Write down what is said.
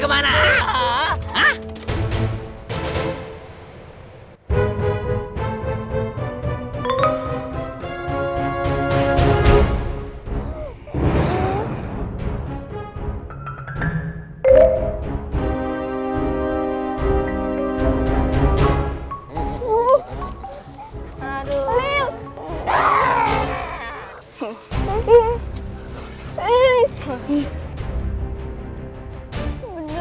mau kabur kemana